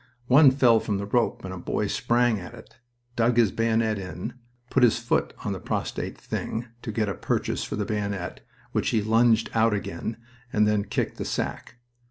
One fell from the rope, and a boy sprang at it, dug his bayonet in, put his foot on the prostrate thing to get a purchase for the bayonet, which he lugged out again, and then kicked the sack.